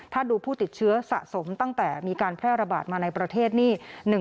ถ้าดูผู้ติดเชื้อสะสมตั้งแต่มีการแพร่ระบาดมาในประเทศนี่